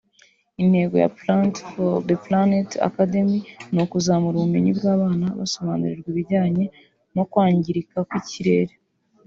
Intego ya “Plant-for-the-Planet Academy” ni ukuzamura ubumenyi bw’abana basobanurirwa ibijyanye n’ukwangirika kw’ikirere